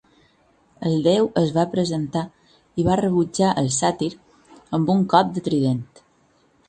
El déu es va presentar i va rebutjar el sàtir amb un cop de trident.